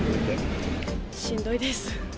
しんどいです。